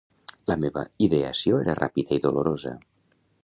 La meva ideació era ràpida i dolorosa.